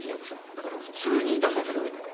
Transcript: だから普通に痛そうにすればいいだけ。